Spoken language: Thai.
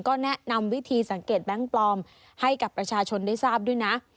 ก็แนะนำวิธีสังเกตแบงค์ปลอมให้กับประชาชนได้ทราบด้วยนะ